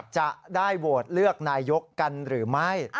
จะได้โหวตเลือกนายกกันหรือไม่